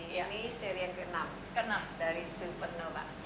ini seri yang ke enam dari supernova